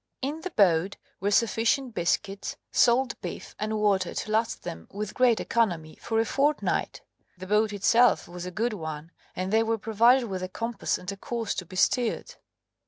In the boat were sufficient biscuits, salt beef, and water to last them, with great economy, for a fortnight The boat itself was a good one, and they were provided with a compass and a course to be steered.